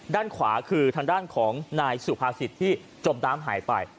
ด้านขวาคือทางด้านของนายสุภาษิตที่จมน้ำหายไป